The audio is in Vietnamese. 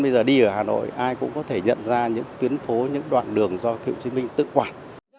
bây giờ đi ở hà nội ai cũng có thể nhận ra những tuyến phố những đoạn đường do cựu chiến binh tự quản